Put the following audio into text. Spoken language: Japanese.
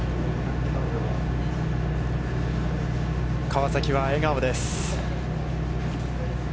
川崎は笑顔です。